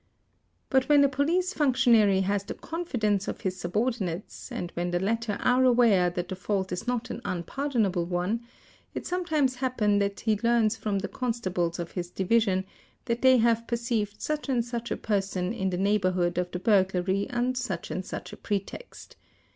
But when a police functionary has the confidence of his subordinates and when the latter are aware that the fault is not an unpardonable one, it sometimes happens that he learns from the constables of his division " 690 THEFT that they have perceived such and such a person in the neighbourhood of the burglary on such and such a pretext.